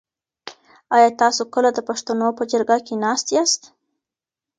آیا تاسو کله د پښتنو په جرګه کي ناست یاست؟